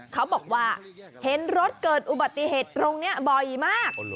เขาบอกว่าเห็นรถเกิดอุบัติเหตุตรงนี้บ่อยมาก